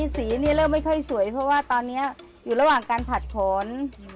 สีนี่เริ่มไม่ค่อยสวยเพราะว่าตอนนี้อยู่ระหว่างการผลัดผล